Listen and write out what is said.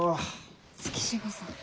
月柴さん。